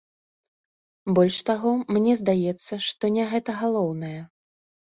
Больш таго, мне здаецца, што не гэта галоўнае.